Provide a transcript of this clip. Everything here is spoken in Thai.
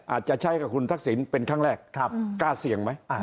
อาจจะใช้กับคุณทักษิณเป็นครั้งแรกกล้าเสี่ยงไหม